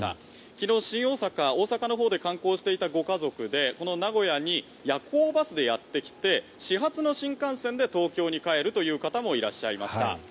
昨日、新大阪、大阪のほうで観光していたご家族で名古屋に夜行バスでやってきて始発の新幹線で東京に帰るという方もいらっしゃいました。